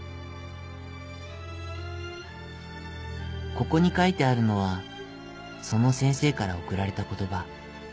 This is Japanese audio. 「ここに書いてあるのはその先生から贈られた言葉。